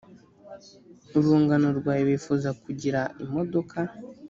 urungano rwawe bifuza kugira imodoka.